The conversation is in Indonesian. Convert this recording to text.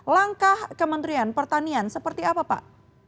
langkah kementerian pertanian seperti apa pak